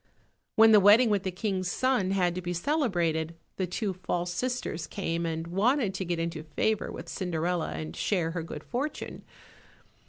When the wedding with the King's son had to be celebrated, the two false sisters came and wanted to get into favour with Cinderella and share her good fortune.